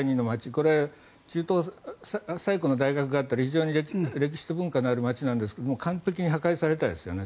これは中東最古の大学があったり歴史と文化がある街なんですが完璧に破壊されましたね。